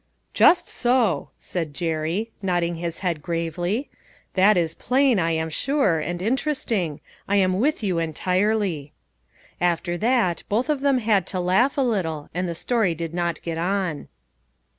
"Just so," said Jerry, nodding his head gravely, " that is plain, I am sure, and interest ing; I agree with you entirely." After that, both of them had to laugh a little, and the story did not get on.